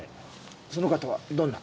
その方はどんな？